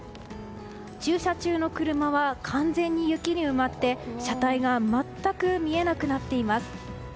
駐車中の車は完全に雪に埋まって車体が全く見えなくなっています。